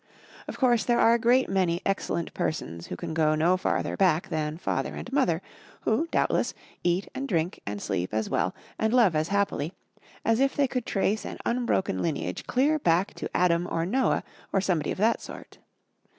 Of course there are a great many excellent persons who can go no farther back than father and mother, who, doubtless, eat and drink and sleep as well, and love as happily, as if they could trace an unbroken lineage clear back to Adam or Noah, or somebody of that sort.